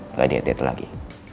nggak diatet atet lagi